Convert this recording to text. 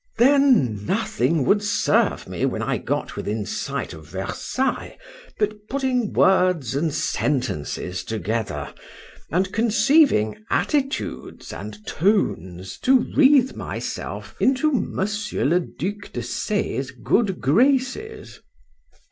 Then nothing would serve me when I got within sight of Versailles, but putting words and sentences together, and conceiving attitudes and tones to wreath myself into Monsieur le Duc de C—'s good graces.